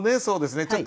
そうですね